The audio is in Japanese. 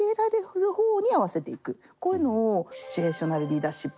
だからこういうのをシチュエーショナルリーダーシップ。